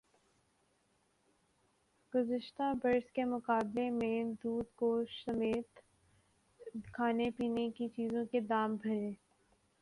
گزشتہ برس کے مقابلے میں دودھ گوشت سمیت کھانے پینے کی چیزوں کے دام بڑھے